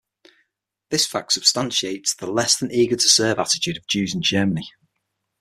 This fact substantiates the "less than eager to serve" attitude of Jews in Germany.